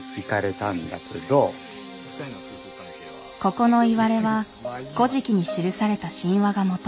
ここのいわれは「古事記」に記された神話がもと。